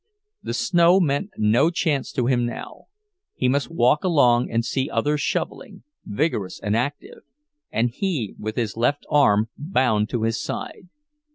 The snow meant no chance to him now; he must walk along and see others shoveling, vigorous and active—and he with his left arm bound to his side!